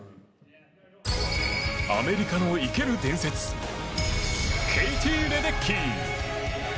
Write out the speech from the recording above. アメリカの生ける伝説ケイティ・レデッキー。